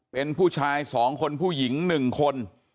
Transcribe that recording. เป็นผู้ชาย๒คนผู้หญิง๑คน